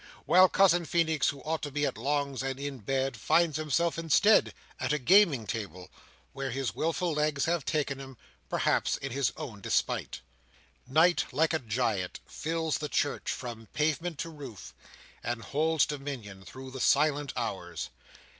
While Cousin Feenix, who ought to be at Long's, and in bed, finds himself, instead, at a gaming table, where his wilful legs have taken him, perhaps, in his own despite. Night, like a giant, fills the church, from pavement to roof, and holds dominion through the silent hours.